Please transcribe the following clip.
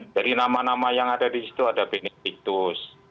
dari nama nama yang ada di situ ada benetikus